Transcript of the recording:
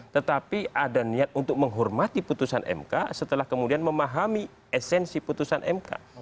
tetapi ada niat untuk menghormati putusan mk setelah kemudian memahami esensi putusan mk